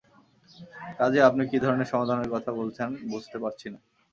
কাজেই আপনি কী ধরনের সমাধানের কথা বলছেন বুঝতে পারছি না।